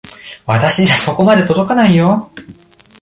私じゃそこまで届かないよ。